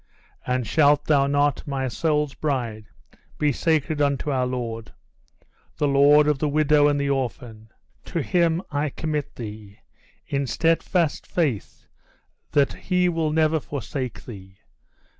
And shalt thou not, my soul's bride, be sacred unto our Lord? the Lord of the widow and the orphan! To Him I commit thee, in steadfast faith that He will never forsake thee!